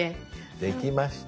できました。